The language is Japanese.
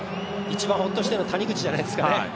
一番ほっとしているの谷口じゃないですか。